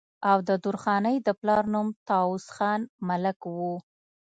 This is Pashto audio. او د درخانۍ د پلار نوم طاوس خان ملک وو